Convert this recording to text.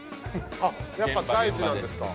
あっやっぱ大事なんですか？